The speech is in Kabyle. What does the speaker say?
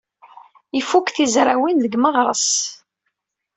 Ifuk tizrawin deg Meɣres.